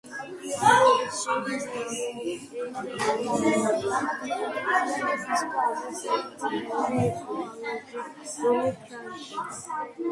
ალჟირის დამოუკიდებლობამდე ქვეყნის ფულის ერთეული იყო ალჟირული ფრანკი.